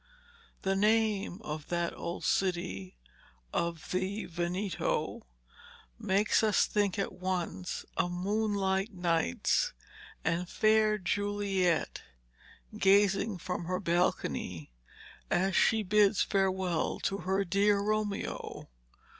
The name of that old city of the Veneto makes us think at once of moonlight nights and fair Juliet gazing from her balcony as she bids farewell to her dear Romeo.